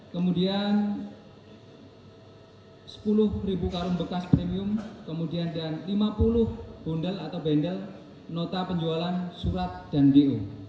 kemudian sepuluh karung bekas premium kemudian dan lima puluh bundel atau bendel nota penjualan surat dan do